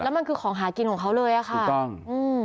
แล้วมันคือของหากินของเขาเลยค่ะถูกต้อง